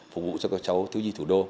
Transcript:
phục vụ cho các cháu thiếu di thủ đô